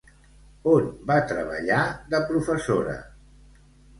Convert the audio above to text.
On va treballar de professora?